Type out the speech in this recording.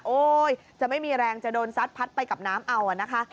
จะไม่มีแรงจะโดนซัดพัดไปกับน้ำเอานะคะ